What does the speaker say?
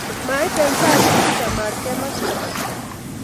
Mait eng saishek che chamaat kemach komanda